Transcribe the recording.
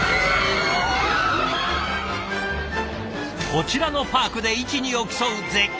こちらのパークで一二を競う絶叫系！